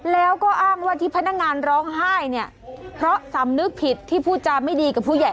แล้วก็อ้างว่าที่พนักงานร้องไห้เนี่ยเพราะสำนึกผิดที่พูดจาไม่ดีกับผู้ใหญ่